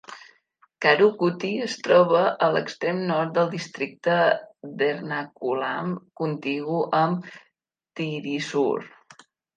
Karukutty es troba al extrem nord del districte d'Ernakulam, contigu amb Thrissur.